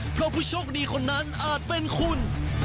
เพราะผู้โชคดีคนนั้นอาจเป็นคุณ